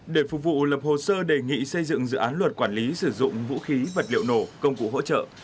để phục vụ lập hồ sơ đề nghị xây dựng dự án luật quản lý sử dụng vũ khí vật liệu nổ công cụ hỗ trợ